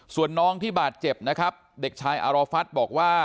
ส่วนน้องที่บาดเจ็บนะครับเด็กชายอารฟัฐบอกว่า